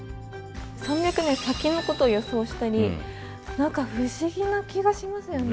３００年先のことを予想したり何か不思議な気がしますよね。